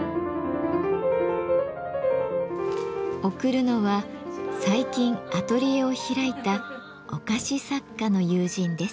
贈るのは最近アトリエを開いたお菓子作家の友人です。